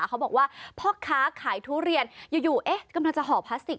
เขาบอกว่าพ่อค้าขายทุเรียนอยู่เอ๊ะกำลังจะห่อพลาสติก